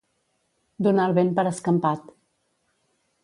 Donar el vent per escampat.